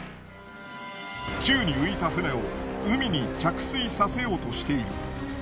宙に浮いた船を海に着水させようとしている。